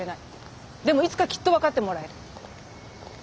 でもいつかきっと分かってもらえる。